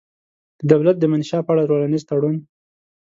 د دولت د منشا په اړه ټولنیز تړون